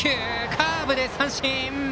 カーブで三振！